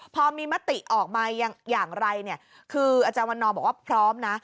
พอมีมติออกมาอย่างไรเนี่ยคืออาจารย์วันนอบอกว่าพร้อมนะ